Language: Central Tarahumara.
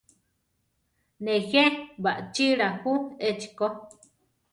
Nejé baʼchíla ju echi ko.